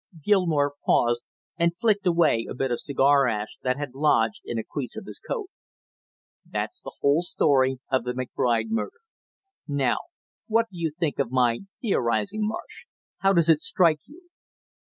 Gilmore paused, and flicked away a bit of cigar ash that had lodged in a crease of his coat. "That's the whole story of the McBride murder. Now what do you think of my theorizing, Marsh; how does it strike you?"